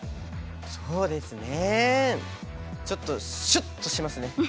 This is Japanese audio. そうですねちょっとシュッとしますね。